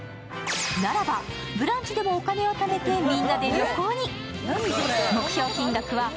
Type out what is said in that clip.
ならば、「ブランチ」でもお金を貯めてみんなで旅行に。